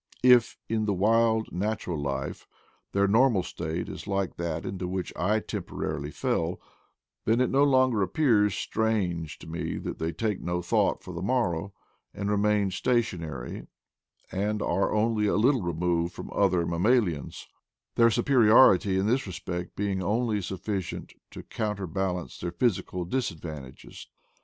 If, in the wild natural life, their normal state is like that into which I tem porarily fell, then it no longer appears strange to me that they take no thought for the morrow, and remain stationary, and are only a little removed from other mammalians, their superiority in this respect being only sufficient to counter balance their physical disadvantages.